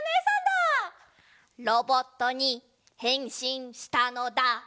ロボットにへんしんしたのだ。